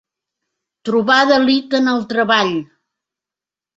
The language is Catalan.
Trobar delit en el treball.